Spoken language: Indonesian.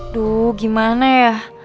aduh gimana ya